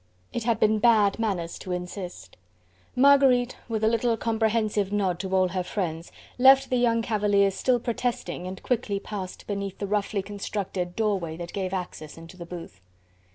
It had been bad manners to insist. Marguerite, with a little comprehensive nod to all her friends, left the young cavaliers still protesting and quickly passed beneath the roughly constructed doorway that gave access into the booth.